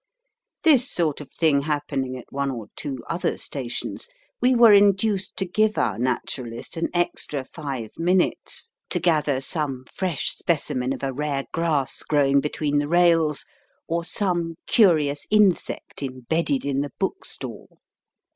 This sort of thing happening at one or two other stations, we were induced to give our Naturalist an extra five minutes to gather some fresh specimen of a rare grass growing between the rails or some curious insect embedded in the bookstall.